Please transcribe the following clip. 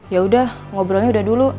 ya udah ngobrolnya udah dulu